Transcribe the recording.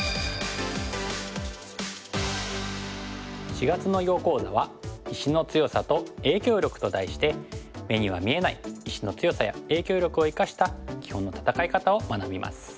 ４月の囲碁講座は「石の強さと影響力」と題して目には見えない石の強さや影響力を生かした基本の戦い方を学びます。